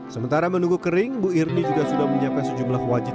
sementara menunggu kering bu irni juga sudah menyiapkan sejumlah wajib